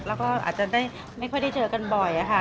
แล้วก็อาจจะไม่ค่อยได้เจอกันบ่อยค่ะ